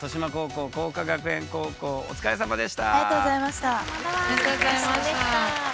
お疲れさまでした。